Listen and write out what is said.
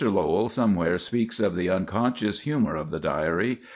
Lowell somewhere speaks of the unconscious humor of the Diary.